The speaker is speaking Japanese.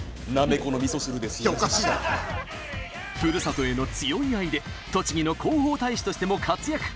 ふるさとへの強い愛で栃木の広報大使としても活躍。